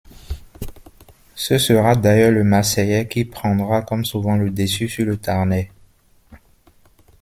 Ce sera d'ailleurs le marseillais qui prendra, comme souvent, le dessus sur le tarnais.